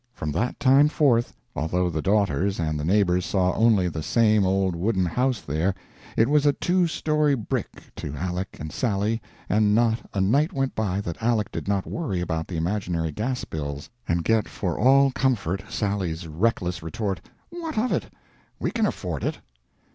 From that time forth, although the daughters and the neighbors saw only the same old wooden house there, it was a two story brick to Aleck and Sally and not a night went by that Aleck did not worry about the imaginary gas bills, and get for all comfort Sally's reckless retort: "What of it? We can afford it."